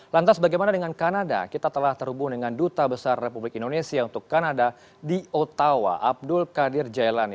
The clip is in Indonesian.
lantas bagaimana dengan kanada kita telah terhubung dengan duta besar republik indonesia untuk kanada di ottawa abdul qadir jailani